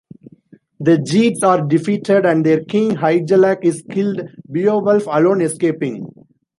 The Geats are defeated and their king Hygelac is killed, Beowulf alone escaping.